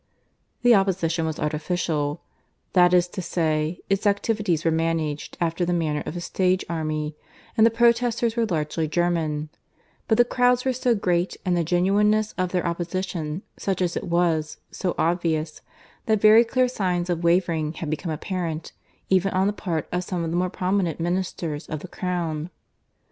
The opposition was artificial that is to say, its activities were managed after the manner of a stage army, and the protesters were largely German; but the crowds were so great, and the genuineness of their opposition, such as it was, so obvious, that very clear signs of wavering had become apparent, even on the part of some of the more prominent Ministers of the Crown.